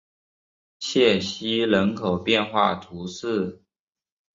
谢西人口变化图示